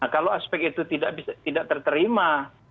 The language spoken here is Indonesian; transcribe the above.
kalau aspek itu tidak terterima